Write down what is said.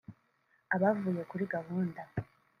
abavuye kuri gahunda